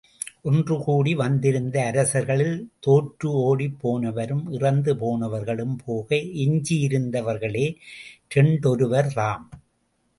ஒன்றுகூடி வந்திருந்த அரசர்களில் தோற்று ஒடிப் போனவரும் இறந்து போனவர்களும் போக எஞ்சியிருந்தவர்களே இரண்டொருவர்தாம்.